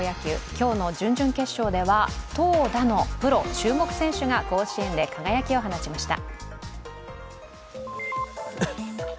今日の準々決勝では、投打のプロ注目選手が甲子園で輝きを放ちました。